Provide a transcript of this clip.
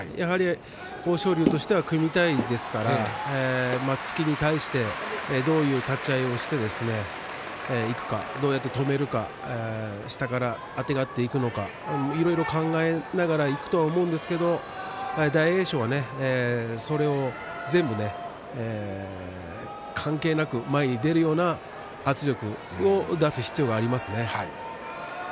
豊昇龍としては組みたいですから、突きに対してどのような立ち合いをしていくかどうやって止めるか下からあてがっていくのかいろいろ考えながらいくと思うんですけど大栄翔は、それを全部関係なく前に出るような圧力を出す必要がありますね。